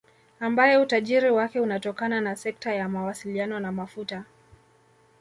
Ambaye utajiri wake unatokana na sekta ya mawasiliano na mafuta